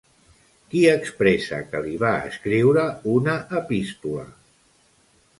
Qui expressa que li va escriure una epístola?